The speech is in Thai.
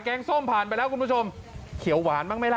งส้มผ่านไปแล้วคุณผู้ชมเขียวหวานบ้างไหมล่ะ